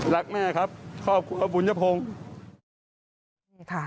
รักแม่ครับครอบครัวบุญยพงศ์